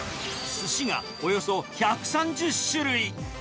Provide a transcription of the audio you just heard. すしがおよそ１３０種類。